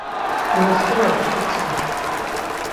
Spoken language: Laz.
Emus qorop̆t̆iti?